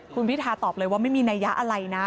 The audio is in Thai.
คุณพิทาตอบเลยว่าไม่มีนัยยะอะไรนะ